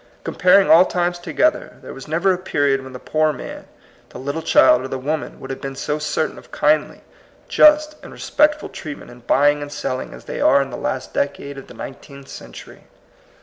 Comparing all times together, there was never a period when the poor man, the little child, or the woman would have been so certain of kindly, just, and respect ful treatment in buying and selling as they CERTAIN CLEAR FACTS. 19 are in this last decade of the nineteenth century.